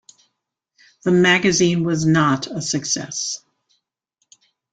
The magazine was not a success.